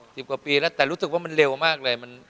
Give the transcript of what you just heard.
สิบกว่าปีแล้วแต่รู้สึกว่ามันเร็วมากเลย